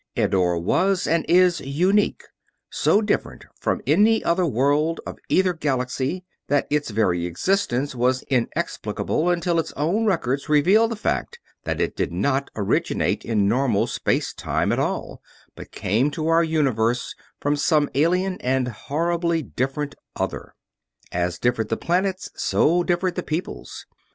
Eddore was and is unique; so different from any other world of either galaxy that its very existence was inexplicable until its own records revealed the fact that it did not originate in normal space time at all, but came to our universe from some alien and horribly different other. As differed the planets, so differed the peoples.